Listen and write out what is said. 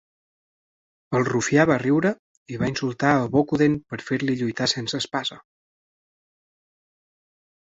El rufià va riure i va insultar a Bokuden per fer-li lluitar sense espasa.